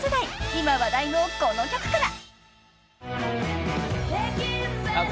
［今話題のこの曲から］